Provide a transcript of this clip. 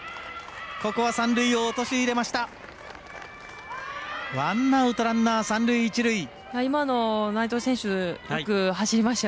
ここは三塁を陥れました。